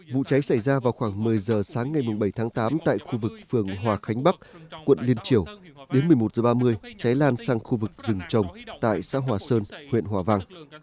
vụ cháy xảy ra vào khoảng một mươi giờ sáng ngày bảy tháng tám tại khu vực phường hòa khánh bắc quận liên triều đến một mươi một h ba mươi cháy lan sang khu vực rừng trồng tại xã hòa sơn huyện hòa vang